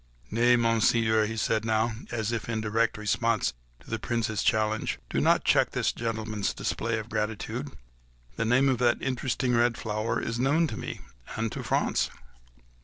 "Nay, Monseigneur," he said now, as if in direct response to the Prince's challenge, "pray do not check this gentleman's display of gratitude; the name of that interesting red flower is well known to me—and to France."